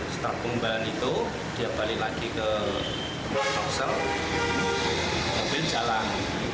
setelah pengembalian itu dia balik lagi ke blok robser mobil jalan